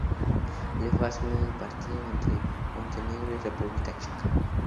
Le fue asignado el partido entre Montenegro y República Checa.